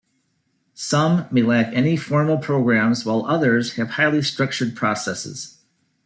Some may lack any formal programs while others have highly structured processes.